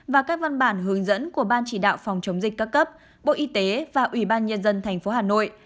và các văn bản hướng dẫn của ban chỉ đạo phòng chống dịch các cấp bộ y tế và ủy ban nhân dân tp hà nội